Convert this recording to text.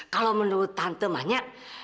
kalo menurut tante mahnya